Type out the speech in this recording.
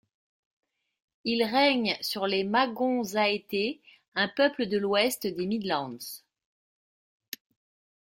Il règne sur les Magonsæte, un peuple de l'ouest des Midlands.